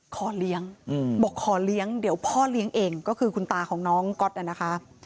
ขอเลี้ยงบอกขอเลี้ยงเดี๋ยวพ่อเลี้ยงเองก็คือคุณตาของน้องก๊อตนะคะ